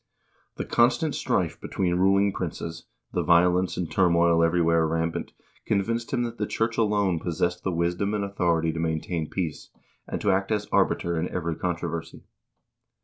The constant strife between ruling princes, the violence and turmoil everywhere rampant convinced him that the church alone possessed the wisdom and authority to maintain peace, and to act as arbiter in every contro versy.